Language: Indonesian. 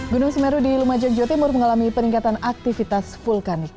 gunung semeru di lumajang jawa timur mengalami peningkatan aktivitas vulkanik